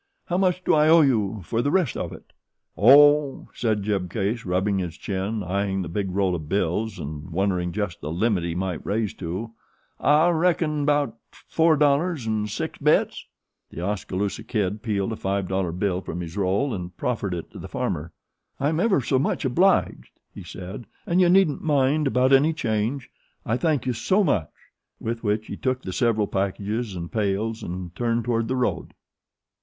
"How much do I owe you for the rest of it?" "Oh," said Jeb Case, rubbing his chin, eyeing the big roll of bills and wondering just the limit he might raise to, "I reckon 'bout four dollars an' six bits." The Oskaloosa Kid peeled a five dollar bill from his roll and proffered it to the farmer. "I'm ever so much obliged," he said, "and you needn't mind about any change. I thank you so much." With which he took the several packages and pails and turned toward the road.